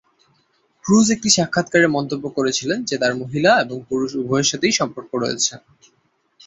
Cruise একটি সাক্ষাত্কারে মন্তব্য করেছিলেন যে তাঁর মহিলা এবং পুরুষ উভয়ের সাথেই সম্পর্ক রয়েছে।